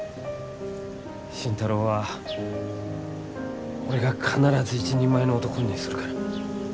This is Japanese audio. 心太朗は俺が必ず一人前の男にするから